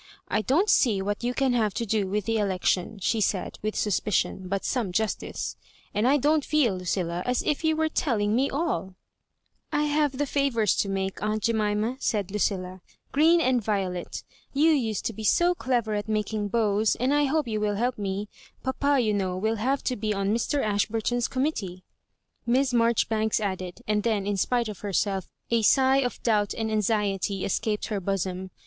'* I don't see what you can have to do with the election," she said, with suspicion, but some justice ;" and I don't feeL Lucilla, as if you were telling me all" "I have the favours to make, aunt Jemima," said Lucilla — "green and violet You used to be so clever at making bows, and I hope you will help me; — ^papa, you know, will have to be on Mr. AshWton's committee," Miss Marjori banks added ; and then, in spite of herself, a sigh of doubt and anxiety escaped her bosom.